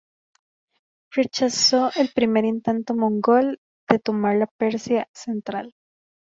Rechazó el primer intento mongol de tomar la Persia central.